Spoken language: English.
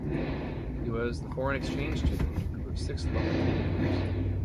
He was the foreign exchange student in a group of six local teenagers.